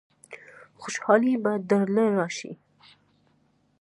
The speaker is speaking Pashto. خوشالۍ به درله رايشي.